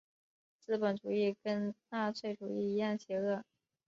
资本主义跟纳粹主义一样邪恶。